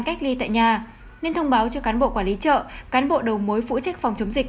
cách ly tại nhà nên thông báo cho cán bộ quản lý chợ cán bộ đầu mối phụ trách phòng chống dịch